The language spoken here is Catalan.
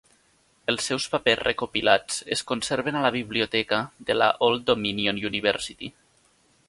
Els seus papers recopilats es conserven a la biblioteca de la Old Dominion University.